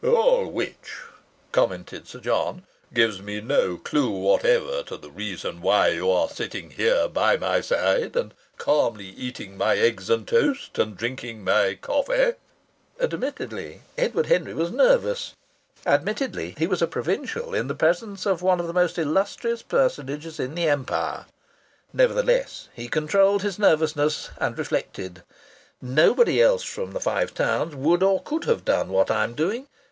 "All which," commented Sir John, "gives me no clue whatever to the reason why you are sitting here by my side and calmly eating my eggs and toast, and drinking my coffee." Admittedly, Edward Henry was nervous. Admittedly, he was a provincial in the presence of one of the most illustrious personages in the Empire. Nevertheless, he controlled his nervousness, and reflected: "Nobody else from the Five Towns would or could have done what I am doing.